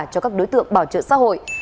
cho các đối tượng bảo trợ xã hội